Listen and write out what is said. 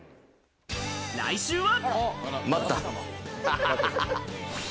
来週は。